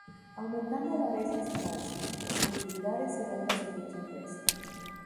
Aumentado a la vez las ganancias, utilidades y ventas de dicha empresa.